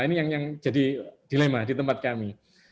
ini yang jadi dilema di tempat kami